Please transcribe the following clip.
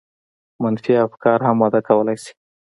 منفي افکار هم وده کولای شي.